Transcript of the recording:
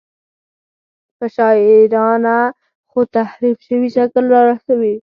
په شاعرانه خو تحریف شوي شکل رارسوي.